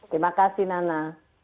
terima kasih nana